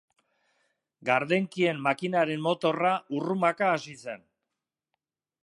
Gardenkien makinaren motorra urrumaka hasi zen.